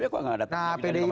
pdip kok gak ada pilihan kemana